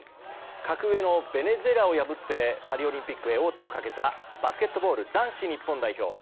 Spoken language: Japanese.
格上のベネズエラを破ってパリオリンピックへ王手をかけたバスケットボール男子日本代表。